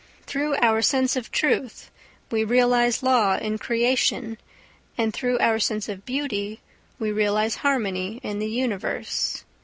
Through our sense of truth we realise law in creation, and through our sense of beauty we realise harmony in the universe.